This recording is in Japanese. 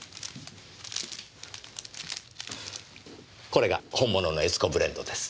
これが本物の悦子ブレンドです。